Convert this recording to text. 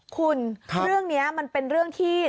คุณเรื่องนี้มันเป็นเรื่องที่